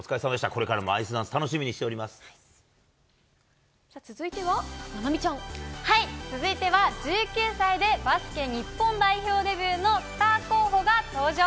これからもアイスダンス楽続いては、菜波ちゃん。続いては１９歳でバスケ日本代表デビューのスター候補が登場。